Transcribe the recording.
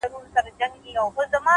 لوړ همت ستړې شېبې زغمي,